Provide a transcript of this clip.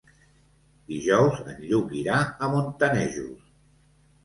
Dijous en Lluc irà a Montanejos.